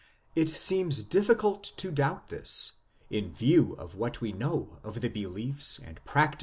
It seems difficult to doubt this in view of what we know of the beliefs and practices 1 O.